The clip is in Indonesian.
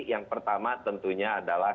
yang pertama tentunya adalah